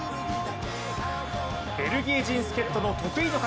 ベルギー人助っ人の得意の形。